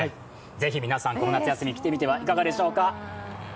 ぜひ皆さん、この夏休み、来てみてはいかがでしょうか？